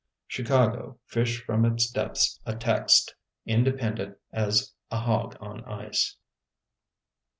Chicago fished from its depths a text: Independent as a hog on ice.